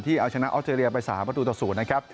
ที่เอาชนะออสเจเรียไป๓ประตูต่อสูตรนะครับ